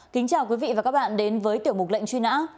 kính chào quý vị và các bạn đến với tiểu mục lệnh truy nã